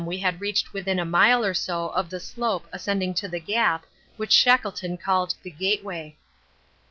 we had reached within a mile or so of the slope ascending to the gap which Shackleton called the Gateway.